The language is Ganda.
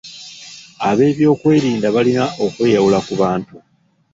Abeebyokwerinda balina okweyawula ku bantu.